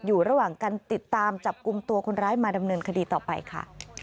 อยู่ระหว่างการติดตามจับกลุ่มตัวคนร้ายมาดำเนินคดีต่อไปค่ะ